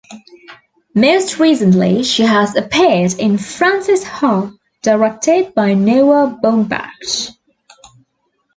Most recently she has appeared in "Frances Ha", directed by Noah Baumbach.